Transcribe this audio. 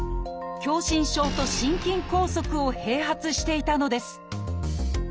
狭心症と心筋梗塞を併発していたのです。